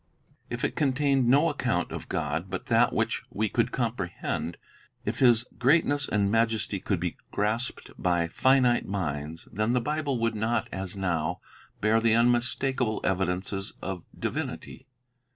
If it contained no account of God but that which we could comprehend; if His greatness and majesty could be grasped by finite minds, then the Bible would not, as now, bear the unmistak able evidences of divinity.